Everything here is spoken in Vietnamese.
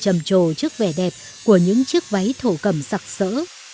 chầm trồ chức vẻ đẹp của những chiếc váy thổ cầm sặc sỡ